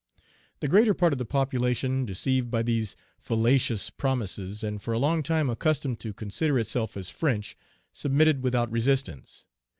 "The greater part of the population, deceived by these fallacious promises, and for a long time accustomed to consider itself as French, submitted without resistance.